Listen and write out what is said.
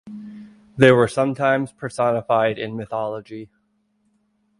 They were sometimes personified in mythology.